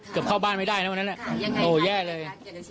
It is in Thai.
เข้าบ้านไม่ได้นะวันนั้นโอ้แย่เลย